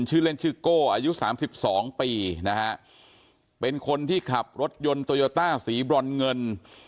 ชื่อเล่นชื่อโก้อายุ๓๒ปีเป็นคนที่ขับรถยนต์โตโยต้าสีบรรเงิน